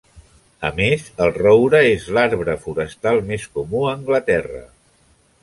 A més, el roure és l'arbre forestal més comú a Anglaterra.